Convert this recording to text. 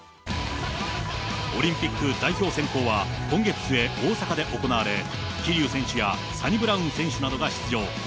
オリンピック代表選考は、今月末、大阪で行われ、桐生選手やサニブラウン選手などが出場。